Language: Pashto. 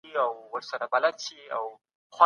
د ونو کښېنول نېک کار دی.